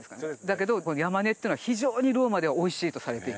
だけどヤマネっていうのは非常にローマではおいしいとされていて。